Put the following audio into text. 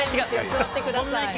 座ってください。